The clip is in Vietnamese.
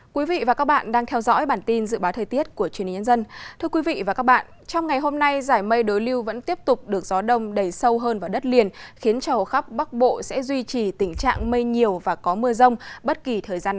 các bạn hãy đăng ký kênh để ủng hộ kênh của chúng mình nhé